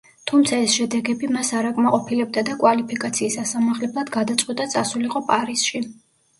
თუმცა ეს შედეგები მას არ აკმაყოფილებდა და კვალიფიკაციის ასამაღლებლად გადაწყვიტა წასულიყო პარიზში.